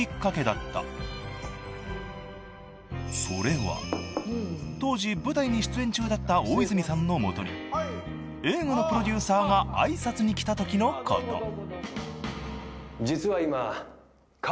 ［それは当時舞台に出演中だった大泉さんの元に映画のプロデューサーが挨拶に来たときのこと］